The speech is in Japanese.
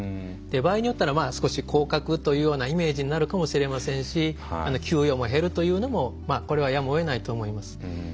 場合によったら少し降格というようなイメージになるかもしれませんし給与も減るというのもこれはやむをえないと思います。